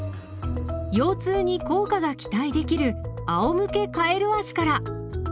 腰痛に効果が期待できる「あおむけカエル脚」から。